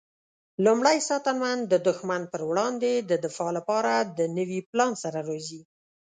لومړی ساتنمن د دښمن پر وړاندې د دفاع لپاره د نوي پلان سره راځي.